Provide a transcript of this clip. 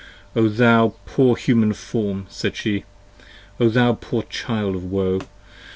O thou poor Human Form! said she. O thou poor child of woe!